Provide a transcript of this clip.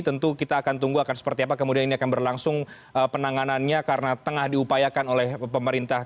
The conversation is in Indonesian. tentu kita akan tunggu akan seperti apa kemudian ini akan berlangsung penanganannya karena tengah diupayakan oleh pemerintah